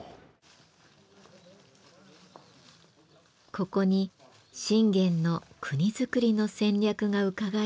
ここに信玄の国づくりの戦略がうかがえる場所があるといいます。